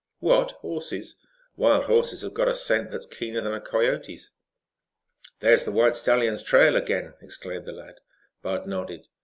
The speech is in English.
"What, horses? Wild horses have got a scent that's keener than a coyote's." "There's the white stallion's trail again," exclaimed the lad. Bud nodded.